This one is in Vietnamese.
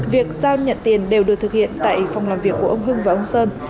việc giao nhận tiền đều được thực hiện tại phòng làm việc của ông hưng và ông sơn